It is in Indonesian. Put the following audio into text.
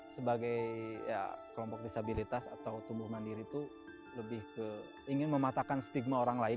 sebagai kelompok disabilitas atau tumbuh mandiri itu lebih ke ingin mematakan stigma orang lain